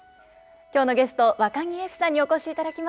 今日のゲストわかぎゑふさんにお越しいただきました。